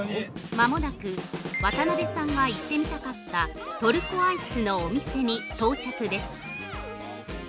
◆間もなく渡辺さんが行ってみたかったトルコアイスのお店に到着です。